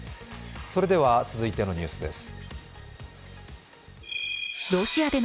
それでは続いてのニュースです。